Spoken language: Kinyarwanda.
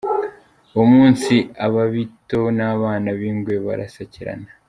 Uwo munsi Ababito n’Abana b’Ingwe barasakirana.